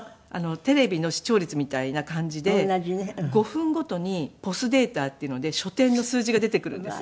テレビの視聴率みたいな感じで５分ごとにＰＯＳデータっていうので書店の数字が出てくるんですよ。